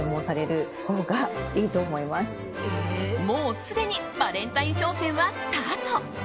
もうすでにバレンタイン商戦はスタート。